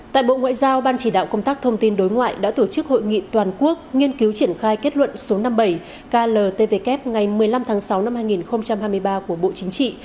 tại bộ ngoại giao ban chỉ đạo công tác thông tin đối ngoại đã tổ chức hội nghị toàn quốc nghiên cứu triển khai kết luận số năm mươi bảy kltvk ngày một mươi năm tháng sáu năm hai nghìn hai mươi ba của bộ chính trị